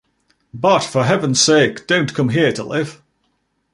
But for heaven's sake, don't come here to live.